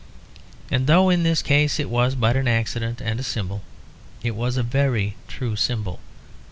And though in this case it was but an accident and a symbol, it was a very true symbol.